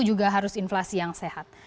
juga harus inflasi yang sehat